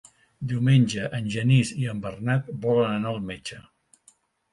Diumenge en Genís i en Bernat volen anar al metge.